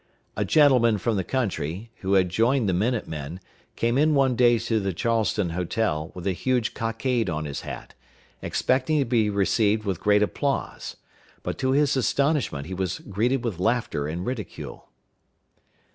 A gentleman from the country, who had joined the minute men, came in one day to the Charleston Hotel, with a huge cockade on his hat, expecting to be received with great applause; but, to his astonishment, he was greeted with laughter and ridicule.